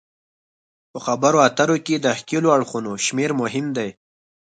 په خبرو اترو کې د ښکیلو اړخونو شمیر مهم دی